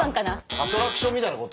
アトラクションみたいなこと？